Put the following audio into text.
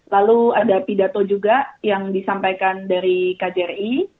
lalu ada pidato juga yang disampaikan dari kjri